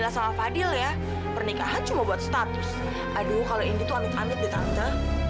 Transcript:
sampai jumpa di video selanjutnya